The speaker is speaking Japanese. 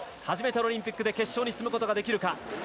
初めてのオリンピックで決勝に進むことができるか。